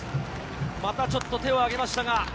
また、ちょっと手をあげました。